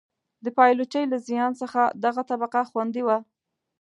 د پایلوچۍ له زیان څخه دغه طبقه خوندي وه.